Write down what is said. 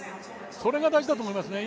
それが大事だと思いますね。